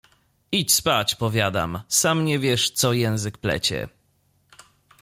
Idź spać, powiadam, sam nie wiesz, co język plecie.